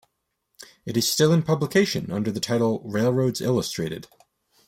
It is still in publication under the title "Railroads Illustrated".